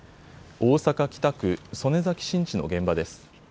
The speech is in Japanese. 大阪北区、曽根崎新地の現場です。